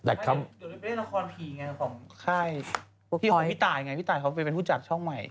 แต่เขาไปเล่นละครผีไงของค่ายพี่หอยพี่ตายไงพี่ตายเขาไปเป็นผู้จัดช่องใหม่